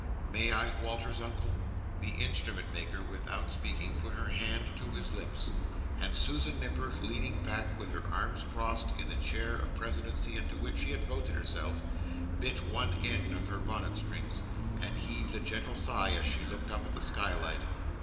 May I, Walter's Uncle?" The Instrument maker, without speaking, put her hand to his lips, and Susan Nipper, leaning back with her arms crossed, in the chair of presidency into which she had voted herself, bit one end of her bonnet strings, and heaved a gentle sigh as she looked up at the skylight.